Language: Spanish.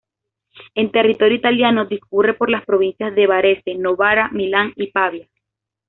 En territorio italiano, discurre por las provincias de Varese, Novara, Milán y Pavía.